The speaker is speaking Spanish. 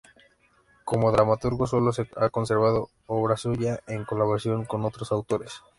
Como dramaturgo solo se ha conservado obra suya en colaboración con otros autores.